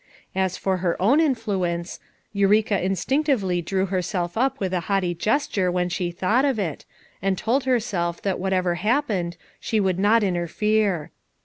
As for her own in fluence, Eureka instinctively drew herself up with a haughty gesture when she thought of it, and told herself that whatever happened she should not interfere.